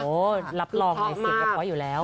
โอ้โฮรับรองในเสียงประกอบอยู่แล้ว